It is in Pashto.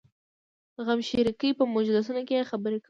د غمشریکۍ په مجلسونو کې یې خبرې کولې.